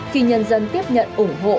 khi nhân dân tiếp nhận ủng hộ